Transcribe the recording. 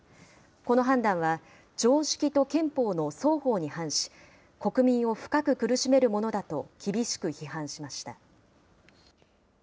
この判断は、常識と憲法の双方に反し、国民を深く苦しめるものだと厳しく批判しました。